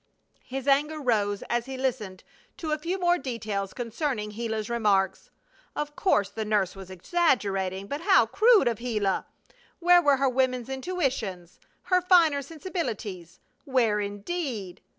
His anger rose as he listened to a few more details concerning Gila's remarks. Of course the nurse was exaggerating, but how crude of Gila! Where were her woman's intuitions? Her finer sensibilities? Where indeed?